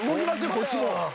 こっちも。